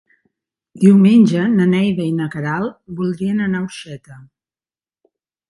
Diumenge na Neida i na Queralt voldrien anar a Orxeta.